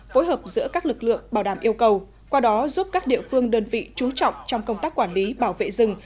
phối hợp giữa các lực lượng bảo đảm yêu cầu qua đó giúp các địa phương đơn vị trú trọng trong công tác quản lý bảo vệ rừng